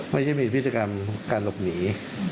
ไม่ใช่มีพฤติกรรมการหลบหนี